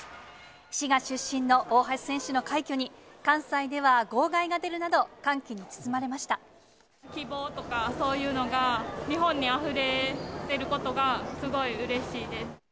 滋賀出身の大橋選手の快挙に、関西では号外が出るなど、希望とかそういうのが、日本にあふれてることが、すごいうれしいです。